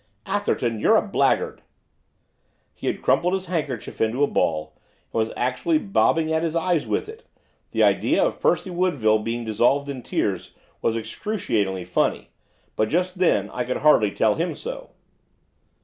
'Atherton, you're a blackguard.' He had crumpled his handkerchief into a ball, and was actually bobbing at his eyes with it, the idea of Percy Woodville being dissolved in tears was excruciatingly funny, but, just then, I could hardly tell him so.